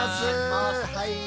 はい。